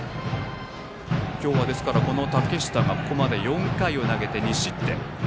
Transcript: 今日はこの竹下がここまで４回を投げて２失点。